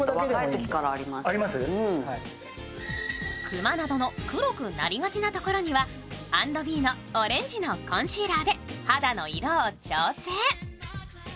クマなどの黒くなりがちの所には＆ｂｅのオレンジのコンシーラーで肌の色を調整。